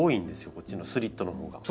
こっちのスリットのほうが。